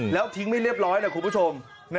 แล้วทิ้งไม่เรียบร้อยนะคุณผู้ชม